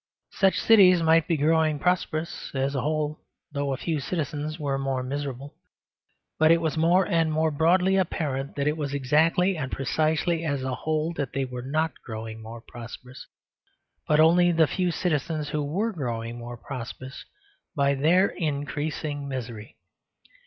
Such cities might be growing prosperous as a whole, though a few citizens were more miserable. But it was more and more broadly apparent that it was exactly and precisely as a whole that they were not growing more prosperous, but only the few citizens who were growing more prosperous by their increasing misery.